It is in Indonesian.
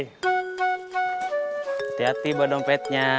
hati hati bu dompetnya